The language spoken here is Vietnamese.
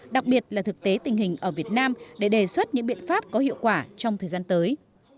đặc biệt là thực tế tình hình ở việt nam để đề xuất những biện pháp có hiệu quả trong thời gian tới